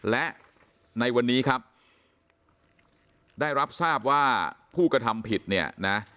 และในวันนี้ครับได้รับทราบว่าผู้กระทำผิดเนี่ยนะ